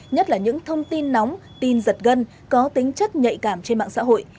nhất là những thông tin nóng tin giật gân có tính chất nhạy cảm trên mạng xã hội